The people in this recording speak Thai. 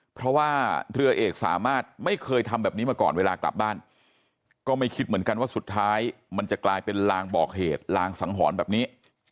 เพราะว่าเรือเอกสามารถไม่เคยทำแบบนี้มาก่อนเวลากลับบ้านก็ไม่คิดเหมือนกันว่าสุดท้ายมันจะกลายเป็นลางบอกเหตุลางสังหรณ์แบบนี้